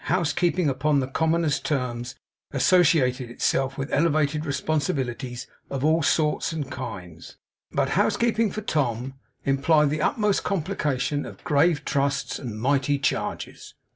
Housekeeping, upon the commonest terms, associated itself with elevated responsibilities of all sorts and kinds; but housekeeping for Tom implied the utmost complication of grave trusts and mighty charges.